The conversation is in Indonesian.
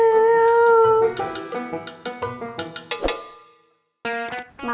guro loh beruang anda